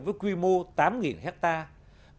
với quy mô tám hectare